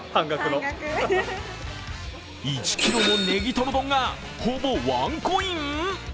１ｋｇのネギトロ丼がほぼワンコイン？